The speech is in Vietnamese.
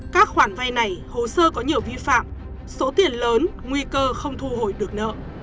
các khoản vay này hồ sơ có nhiều vi phạm số tiền lớn nguy cơ không thu hồi được nợ